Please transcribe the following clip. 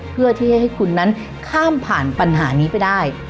เพื่อที่ให้คุณนั้นข้ามผ่านปัญหานี้ไปได้